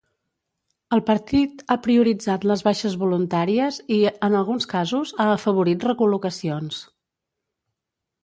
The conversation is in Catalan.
El partit ha prioritzat les baixes voluntàries i, en alguns casos, ha afavorit recol·locacions.